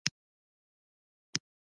د هرات د ځانګړی سبک لرونکی کاشي وې.